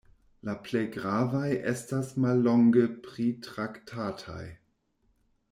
La plej gravaj estas mallonge pritraktataj.